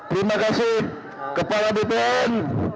terima kasih kepada bpn